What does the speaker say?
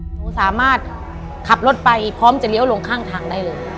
หนูสามารถขับรถไปพร้อมจะเลี้ยวลงข้างทางได้เลย